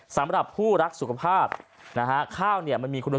สำหรับผู้รักสุขภาพข้าวมันมีคุณสมบัติพิเศษ